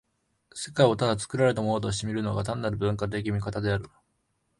世界をただ作られたものとして見るのが、単なる文化的見方である。